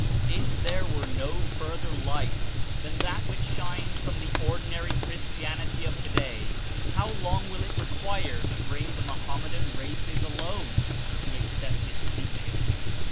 If there were no further light than that which shines from the ordinary Chris tianity of today, how long will It require to hring the Mohammedan races alone to accept its teaching?